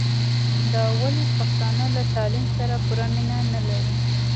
دا ولي پښتانه له تعليم سره پوره مينه نلري